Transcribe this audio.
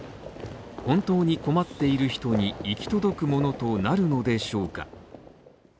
本当に困っている人に行き届くものとなるのでしょうか？